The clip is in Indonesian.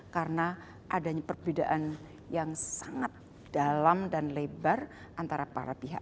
karena adanya perbedaan yang sangat dalam dan lebar antara para pihak